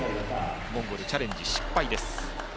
モンゴル、チャレンジ失敗です。